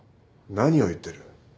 何を言ってる。